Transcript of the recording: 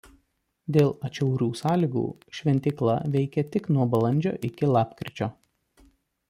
Dėl atšiaurių sąlygų šventykla veikia tik nuo balandžio iki lapkričio.